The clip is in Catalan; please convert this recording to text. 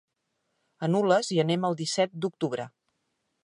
A Nules hi anem el disset d'octubre.